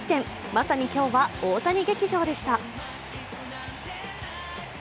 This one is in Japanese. まさに、今日は大谷劇場でした。